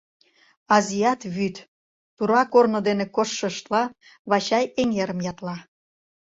— Азият вӱд! — тура корно дене коштшыштла, Вачай эҥерым ятла.